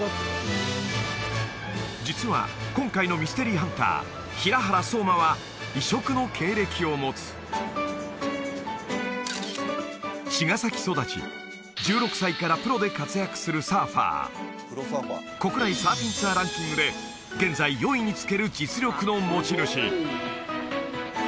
実は今回のミステリーハンター平原颯馬は異色の経歴を持つ茅ヶ崎育ち１６歳からプロで活躍するサーファー国内サーフィンツアーランキングで現在４位につける実力の持ち主